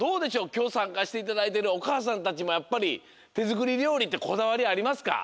きょうさんかしていただいてるおかあさんたちもやっぱりてづくりりょうりってこだわりありますか？